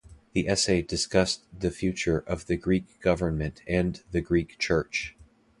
The essay discussed the future of the Greek government and the Greek Church.